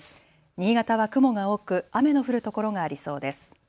新潟は雲が多く雨の降る所がありそうです。